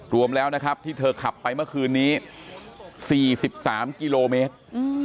รวมแล้วนะครับที่เธอขับไปเมื่อคืนนี้สี่สิบสามกิโลเมตรอืม